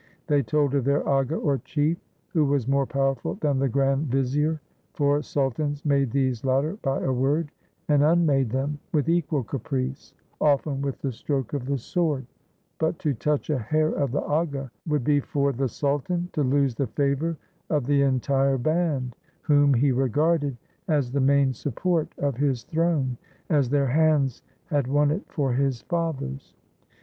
They told of their aga or chief, who was more powerful than the grand vizier — for sultans made these latter by a word, and unmade them with equal caprice, often with the stroke of the sword ; but to touch a hair of the aga would be for the sultan to lose the favor of the entire band, whom he regarded as the main support of his throne, as their hands had won it for his fathers.